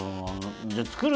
じゃあ作る？